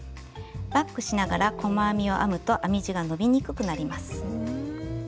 バックしながら細編みを編むと編み地が伸びにくくなります。